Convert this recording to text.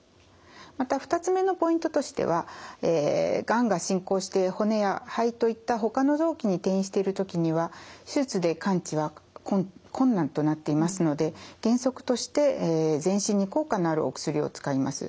また２つ目のポイントとしてはがんが進行して骨や肺といったほかの臓器に転移してる時には手術で完治は困難となっていますので原則として全身に効果のあるお薬を使います。